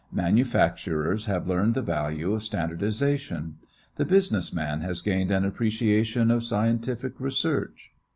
Manufacturers have learned the value of standardization. The business man has gained an appreciation of scientific research.